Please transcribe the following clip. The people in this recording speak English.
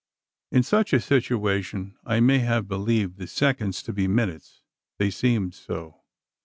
In such a situation, I may have believed the seconds to be minutes: they seemed so.